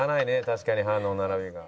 確かに歯の並びが。